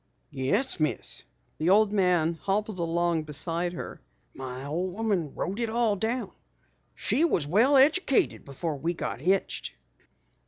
"Yes, Miss." The old man hobbled along beside her. "My old woman wrote it all down. She was well edijikated before we got hitched."